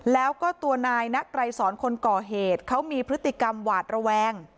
แล้วก็ตัวนายนะไกรสอนคนก่อเหตุเขามีพฤติกรรมหวาดระแวง